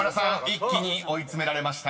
一気に追い詰められましたが］